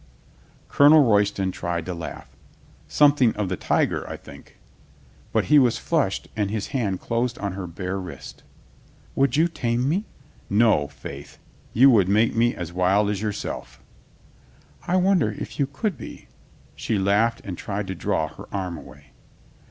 Colonel Royston tried to laugh. "Something of the tiger, I think." But he was flushed and his hand closed on her bare wrist. "Would you tame me?" "No, faith, you would make me as wild as your self." ^'I wonder if you could be," she laughed and tried to draw her arm away.